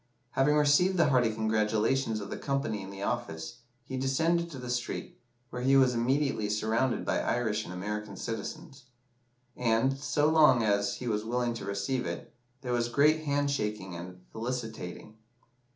Having received the hearty congratulations of the company in the office, he descended to the street, where he was immediately surrounded by Irish and American citizens; and, so long as he was willing to receive it, there was great hand shaking and felicitating.